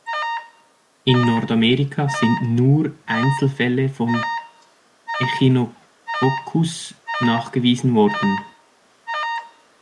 In Nordamerika sind nur Einzelfälle von Echinococcus nachgewiesen worden.